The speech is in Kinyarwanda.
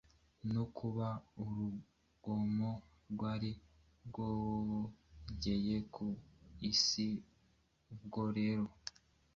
no kuba urugomo rwari rwogeye ku isi Ubwo rero,